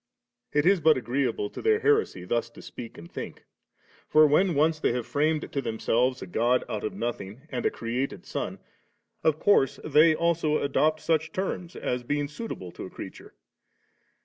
It is but agreeable to their heresy thus to speak and think; for, when once they have framed to themselves a God out of nothing and a created Son, of course they also adopt such terms, as being suitable to a creature.